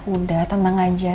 udah tenang aja